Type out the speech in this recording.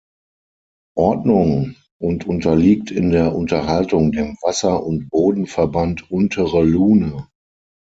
Ordnung und unterliegt in der Unterhaltung dem Wasser- und Bodenverband Untere Lune.